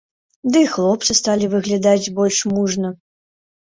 Ды і хлопцы сталі выглядаць больш мужна.